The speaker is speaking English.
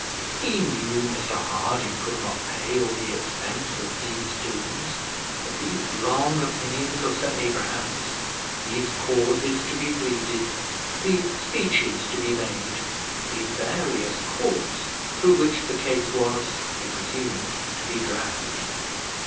He knew Mr Harding could not pay all the expense of these doings: for these long opinions of Sir Abraham's, these causes to be pleaded, these speeches to be made, these various courts through which the case was, he presumed, to be dragged.